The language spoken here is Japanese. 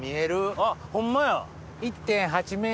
あっホンマや。